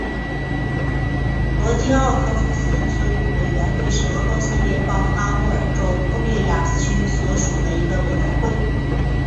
罗季奥诺夫卡村委员会是俄罗斯联邦阿穆尔州布列亚区所属的一个村委员会。